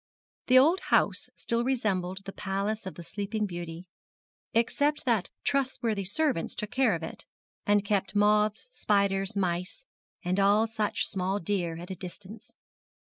The old house still resembled the palace of the sleeping beauty; except that trustworthy servants took care of it, and kept moths, spiders, mice, and all such small deer at a distance.